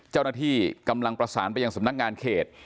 เจ้าหน้าที่กำลังประสานไปยังสำนักงานเขต